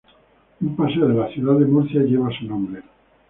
Un paseo de la ciudad de Murcia lleva su nombre.